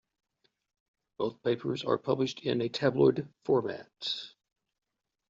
Both papers are published in tabloid format.